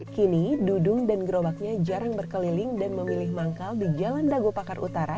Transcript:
kini dudung dan grobaknya jarang berkeliling dan memilih manggal di jalan dagopakar utara